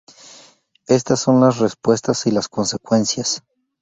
Estas son la respuesta y las consecuencias.